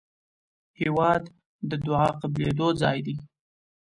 هېواد د دعا قبلېدو ځای دی.